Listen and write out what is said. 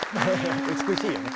美しいよね。